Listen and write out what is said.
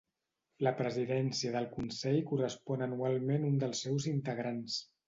La presidència del Consell correspon anualment un dels seus integrants.